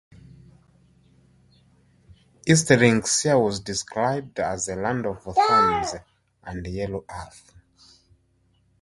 East Linxia was described as a land of "thorns and yellow earth".